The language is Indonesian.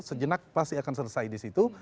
sejenak pasti akan selesai di situ